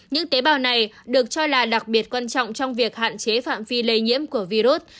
những tế bào này được cho là đặc biệt quan trọng trong việc hạn chế phạm vi lây nhiễm của virus